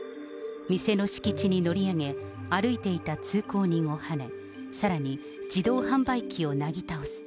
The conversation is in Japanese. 店の敷地に乗り上げ、歩いていた通行人をはね、さらに、自動販売機をなぎ倒す。